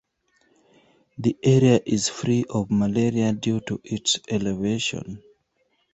The area is free of malaria due to its elevation.